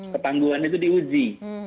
ketangguhan itu diuji